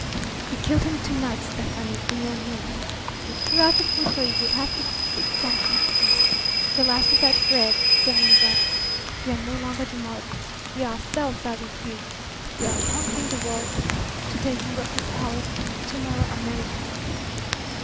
"We killed him to night, Stefani, in your rooms. We threw out the food so he would have to seek something to eat. The last of that breed, stem and branch! We are no longer the mud; we ourselves are the heels. We are conquering the world. Today Europe is ours; to morrow, America!"